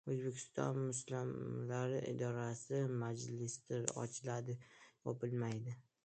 O‘zbekiston Musulmonlar idorasi: "Masjidlar ochiladi, yopilmaydi!"